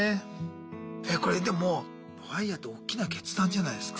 これでもＦＩＲＥっておっきな決断じゃないすか。